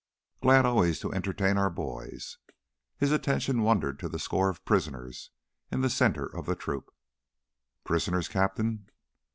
Glad, always glad to entertain our boys." His attention wandered to the score of "prisoners" in the center of the troop. "Prisoners, Captain?"